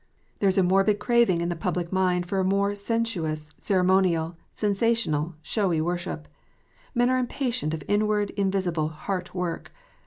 There is a morbid craving in the public mind for a more sensuous, ceremonial, sensational, showy worship : men are impatient of inward, invisible heart work.